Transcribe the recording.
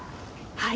はい。